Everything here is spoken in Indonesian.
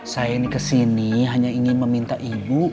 saya ini kesini hanya ingin meminta ibu